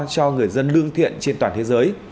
cho người dân lương thiện trên toàn thế giới